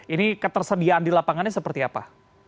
ini ketersediaan di lapangannya seperti apa